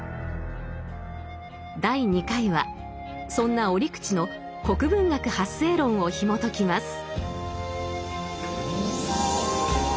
第２回はそんな折口の「国文学発生論」をひもときます。